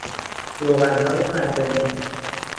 روغنهای معدنی